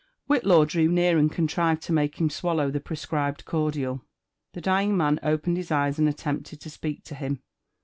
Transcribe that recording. Whitlaw drew near and contrived lo make faim swallow the pre scribed cordial. The dying man opened his eyes and attempted to speak to him.